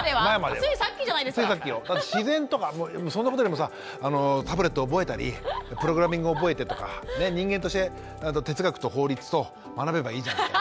だって自然とかそんなことよりもさタブレット覚えたりプログラミング覚えてとか人間として哲学と法律と学べばいいじゃんって。